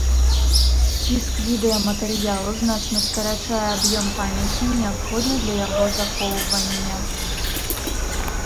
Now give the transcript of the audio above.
Сціск відэаматэрыялу значна скарачае аб'ём памяці, неабходны для яго захоўвання.